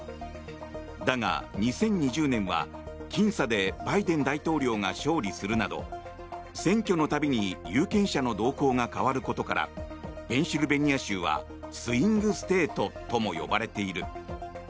だが、２０２０年は僅差でバイデン大統領が勝利するなど選挙のたびに有権者の動向が変わることからペンシルベニア州はスイングステートとも呼ばれている。